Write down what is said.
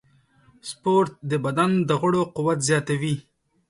سپورت د بدن د غړو قوت زیاتوي.